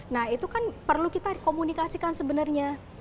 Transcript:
nah itu kan perlu kita komunikasikan sebenarnya